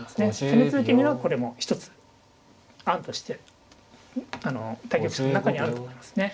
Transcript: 攻め続けるにはこれも一つ案として対局者の中にあると思いますね。